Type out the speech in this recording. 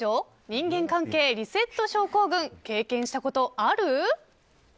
人間関係リセット症候群経験したことある？